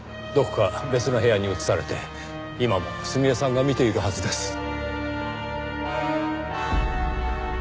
どこか別の部屋に移されて今も澄江さんが見ているはずです。